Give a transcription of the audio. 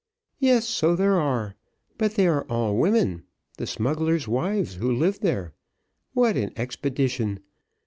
"Yes, so there are, but they are all women, the smugglers' wives, who live there; what an expedition!